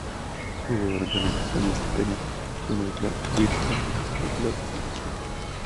Jugó durante su etapa universitaria con los "Blackbirds" de la Universidad de Long Island.